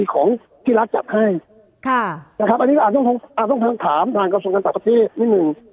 ของที่รักจัดให้อันนี้อาจต้องถามทางกับสมกันตรับที่นิดหนึ่ง